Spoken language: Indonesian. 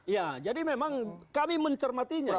ya jadi memang kami mencermatinya